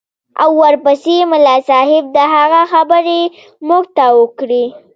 او ورپسې ملا صاحب د هغه خبرې موږ ته وکړې.